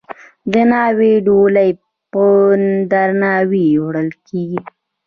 د ناوې ډولۍ په درناوي وړل کیږي.